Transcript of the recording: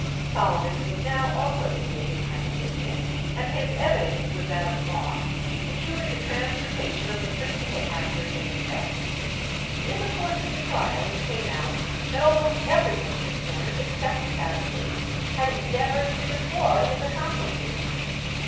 Solomons was now also admitted as a witness, and his evidence, with that of Moss, secured the transportation of the principal actors in the theft. In the course of the trial it came out that almost every one concerned except the Caspars had endeavoured to defraud his accomplices.